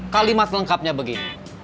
kalimat lengkapnya begini